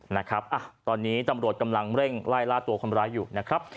นะครับอ่ะตอนนี้ตำรวจกำลังเร่งไล่ล่าตัวคนร้ายอยู่นะครับ